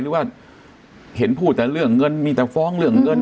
หรือว่าเห็นพูดแต่เรื่องเงินมีแต่ฟ้องเรื่องเงิน